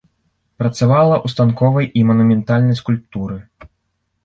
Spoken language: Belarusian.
Працавала ў станковай і манументальнай скульптуры.